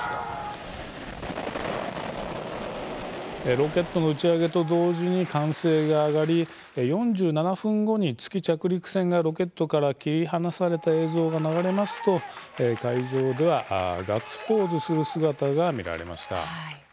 ロケットの打ち上げと同時に歓声が上がり４７分後に月着陸船がロケットから切り離された映像が流れますと会場では、ガッツポーズする姿が見られました。